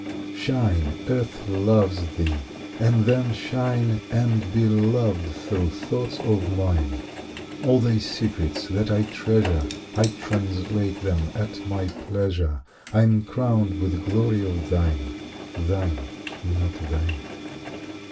Shine, Earth loves thee! And then shine And be loved through thoughts of mine. All thy secrets that I treasure I translate them at my pleasure. I am crowned with glory of thine. Thine, not thine.